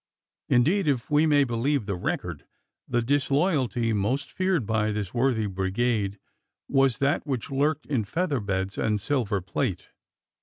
Indeed, if we may believe the record, the disloyalty most feared by this worthy brigade was that which lurked in feather beds and silver plate.